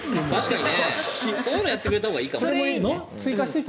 そういうのやってくれたほうがいいかも。